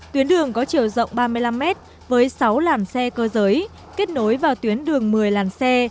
tuyến đường có chiều rộng ba mươi năm mét với sáu làn xe cơ giới kết nối vào tuyến đường một mươi làn xe